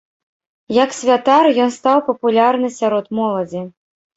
Як святар, ён стаў папулярны сярод моладзі.